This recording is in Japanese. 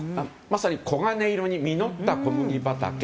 まさに黄金色に実った小麦畑。